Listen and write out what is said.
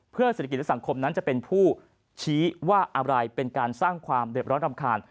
เพื่อเศรษฐกิจและสังคมนั้นจะเป็นผู้ชี้ว่าอะไรเป็นการสร้างความเด็บร้อนรำคาญ